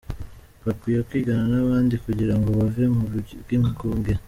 Bakwiye kwigana n’abandi kugira ngo bave mu bwigunge.